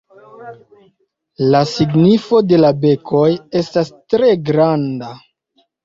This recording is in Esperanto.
La signifo de la bekoj estas tre granda.